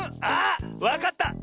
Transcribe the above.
あわかった！